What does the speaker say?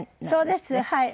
そうですはい。